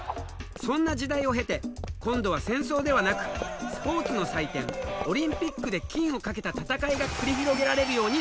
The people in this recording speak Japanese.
そんな時代を経て今度は戦争ではなくスポーツの祭典オリンピックで金を懸けた戦いが繰り広げられるようになったんだ。